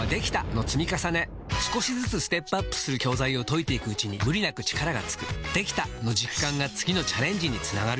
少しずつステップアップする教材を解いていくうちに無理なく力がつく「できた！」の実感が次のチャレンジにつながるよし！